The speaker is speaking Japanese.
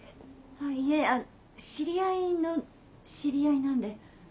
いえ知り合いの知り合いなんで。